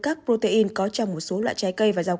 các protein có trong một số loại trái cây và rau